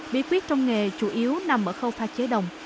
bí quyết trong nghề chủ yếu nằm ở khâu pha chế đồng